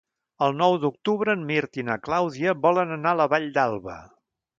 El nou d'octubre en Mirt i na Clàudia volen anar a la Vall d'Alba.